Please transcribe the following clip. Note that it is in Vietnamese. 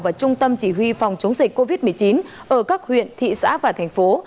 và trung tâm chỉ huy phòng chống dịch covid một mươi chín ở các huyện thị xã và thành phố